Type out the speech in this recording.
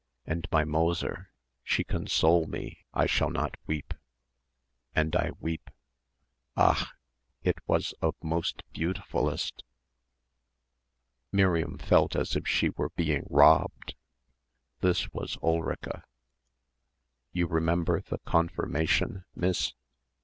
And my mozzer she console me I shall not weep. And I weep. Ach! It was of most beautifullest." Miriam felt as if she were being robbed.... This was Ulrica.... "You remember the Konfirmation, miss?"